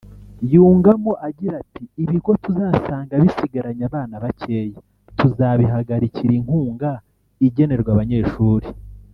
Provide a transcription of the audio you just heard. yungamo agira ati “Ibigo tuzasanga bisigaranye abana bakeya tuzabihagarikira inkunga igenerwa abanyeshuri